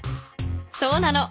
そうなの。